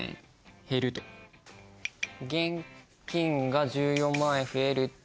現金が１４万円増える。